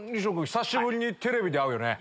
久しぶりにテレビで会うよね。